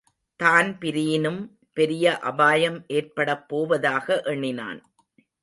தான்பிரீனும் பெரிய அபாயம் ஏற்படப்போவதாக எண்ணினான்.